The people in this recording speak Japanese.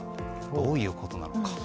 どういうことなのか。